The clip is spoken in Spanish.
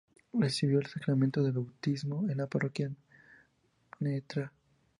Recibió el sacramento del Bautismo en la Parroquia Ntra.